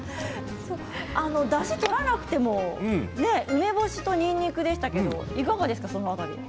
だしを取れなくても、梅干しとにんにくでしたけどいかがでしたか。